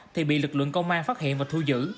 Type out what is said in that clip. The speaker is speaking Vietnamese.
thì bị lực lượng công an phát hiện và thu giữ